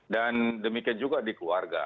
dan demikian juga di keluarga